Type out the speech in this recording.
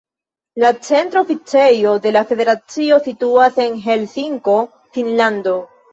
La centra oficejo de la federacio situas en Helsinko, Finnlando.